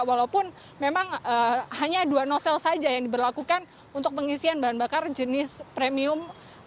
walaupun memang hanya dua nosel saja yang diberlakukan untuk pengisian bahan bakar jenis premium